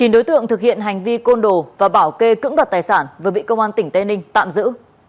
một mươi đối tượng thực hiện hành vi côn đồ và bảo kê cưỡng đoạt tài sản vừa bị công an tỉnh tây ninh tạm giữ